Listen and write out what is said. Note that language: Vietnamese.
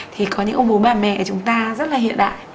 thì có những ông bố bà mẹ của chúng ta rất là hiện đại